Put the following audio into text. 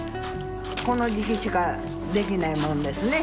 この時期しかできないもんですね。